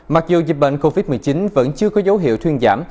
mặc dù dịch bệnh covid một mươi chín vẫn chưa có dấu hiệu thuyên giảm